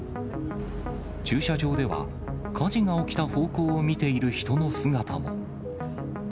駐車場では、火事が起きた方向を見ている人の姿も。